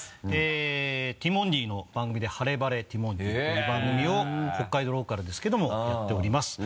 ティモンディの番組で「ハレバレティモンディ」という番組を北海道ローカルですけどもやっております。